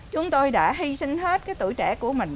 chúng tôi đã hy sinh hết cái tuổi trẻ của mình